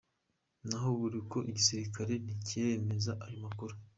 Naho biri uko, igisirikare ntikiremeza ayo makuru.